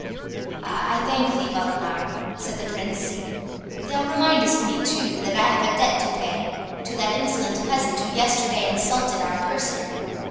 "I thank thee, Waldemar," said the Prince; "thou remindest me, too, that I have a debt to pay to that insolent peasant who yesterday insulted our person.